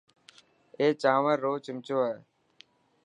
اي چانور رو چمچو هي.